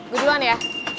gue duluan ya